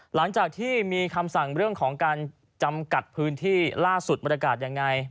หลังจากที่มีคำสั่งเรื่องของการจำกัดพื้นที่ล่าสุดบรรยากาศยังไง